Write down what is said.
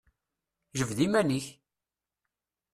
Jbed iman-ik!